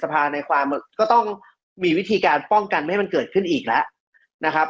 ภาในความก็ต้องมีวิธีการป้องกันไม่ให้มันเกิดขึ้นอีกแล้วนะครับ